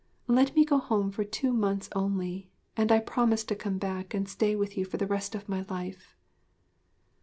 Let me go home for two months only, and I promise to come back and stay with you for the rest of my life.'